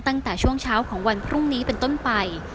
ตั้งแต่ช่วงเช้าของวันพรุ่งนี้เป็นต้นไป